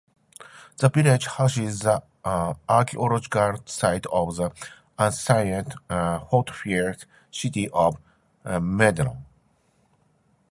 The village houses the archaeological site of the ancient fortified city of "Medeon".